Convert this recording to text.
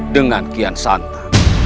dengan kian santa